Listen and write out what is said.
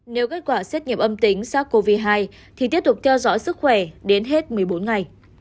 nếu kết quả xét nghiệm âm tính sars cov hai thì tiếp tục theo dõi sức khỏe đến hết một mươi bốn ngày